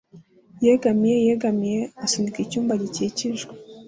Yegamiye yegamiye asunika icyumba gikikijwe